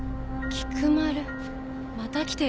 菊丸？